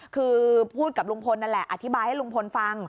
คือพูดกับลุงพลนั่นแหละอธิบายให้ลุงพลฟัง